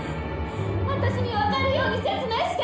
私にわかるように説明して！